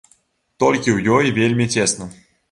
Толькі ў ёй вельмі цесна.